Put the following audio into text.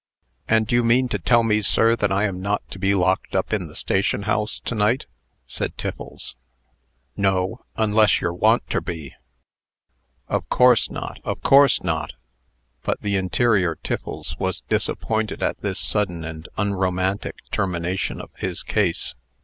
"And you mean to tell me, sir, that I am not to be locked up in the station house to night," said Tiffles. "No, unless yer want ter be." "Of course not of course not." But the interior Tiffles was disappointed at this sudden and unromantic termination of his case.